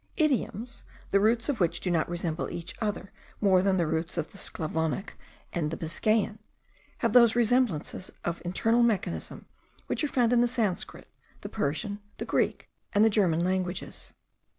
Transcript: Idioms, the roots of which do not resemble each other more than the roots of the Sclavonic and the Biscayan, have those resemblances of internal mechanism which are found in the Sanscrit, the Persian, the Greek, and the German languages.